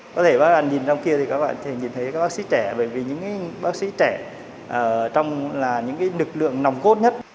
có thể các bạn nhìn trong kia thì các bạn nhìn thấy các bác sĩ trẻ bởi vì những cái bác sĩ trẻ trong là những cái lực lượng nồng cốt nhất